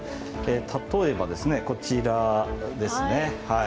例えばですねこちらですね。